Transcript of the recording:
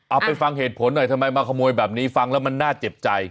เอาไปฟังเหตุผลหน่อยทำไมมาขโมยแบบนี้ฟังแล้วมันน่าเจ็บใจ